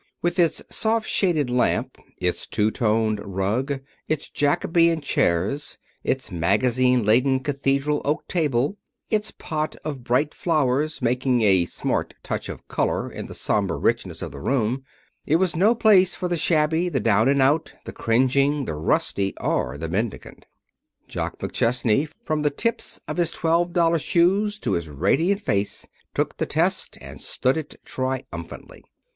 With its soft shaded lamp, its two toned rug, its Jacobean chairs, its magazine laden cathedral oak table, its pot of bright flowers making a smart touch of color in the somber richness of the room, it was no place for the shabby, the down and out, the cringing, the rusty, or the mendicant. Jock McChesney, from the tips of his twelve dollar shoes to his radiant face, took the test and stood it triumphantly.